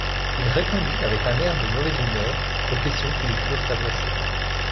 Il répondit avec un air de mauvaise humeur aux questions qui lui furent adressées.